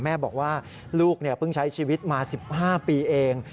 แม่บอกว่าลูกเพิ่งใช้ชีวิตมา๑๕ปีเอง